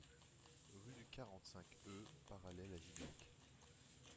Rue du quarante-cinq e Parallèle à Gignac